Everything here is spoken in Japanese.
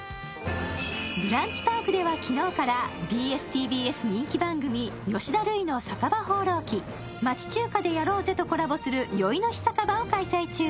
ＢＲＵＮＣＨＰＡＲＫでは昨日からＢＳ−ＴＢＳの「吉田類の酒場放浪記」「町中華で飲ろうぜ！」とコラボする「よいの日酒場」を開催中。